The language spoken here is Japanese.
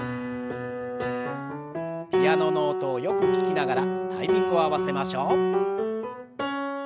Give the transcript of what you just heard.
ピアノの音をよく聞きながらタイミングを合わせましょう。